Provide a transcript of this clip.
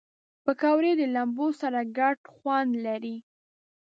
پکورې د لمبو سره ګډ خوند لري